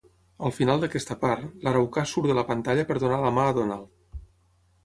Al final d'aquesta part, l'araucà surt de la pantalla per donar la mà a Donald.